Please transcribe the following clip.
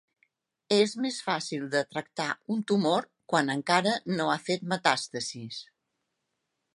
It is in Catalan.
És més fàcil de tractar un tumor quan encara no ha fet metàstasis.